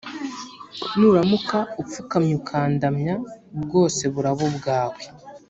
. Nuramuka upfukamye ukandamya, bwose buraba ubwawe